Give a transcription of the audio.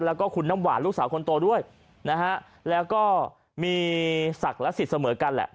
แล้วก็คุณน้ำหวานลูกสาวคนโตด้วยนะฮะแล้วก็มีศักดิ์และสิทธิ์เสมอกันแหละ